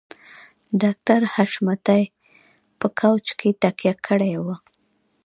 ډاکټر حشمتي په کاوچ کې تکيه کړې وه